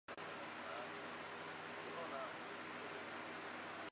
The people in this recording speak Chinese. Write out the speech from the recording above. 漪蛱蝶属是线蛱蝶亚科环蛱蝶族里的一属。